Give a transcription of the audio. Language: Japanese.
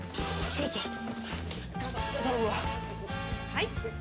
はい。